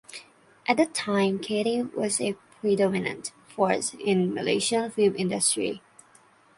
At the time Cathay was a predominant force in the Malaysian film industry.